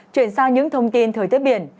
chuyển sang những thông tin thời tiết biển